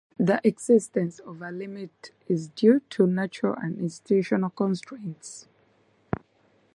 The existence of a limit is due to natural and institutional constraints.